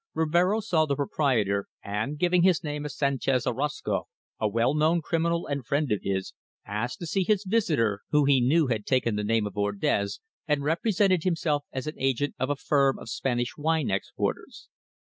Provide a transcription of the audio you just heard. Rivero saw the proprietor, and giving his name as Sanchez Orozco, a well known criminal and friend of his, asked to see his visitor who we knew had taken the name of Nardiz, and represented himself as an agent of a firm of Spanish wine exporters.